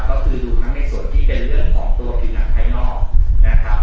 ก็คือดูทั้งในส่วนที่เป็นเรื่องของตัวทีมงานภายนอกนะครับ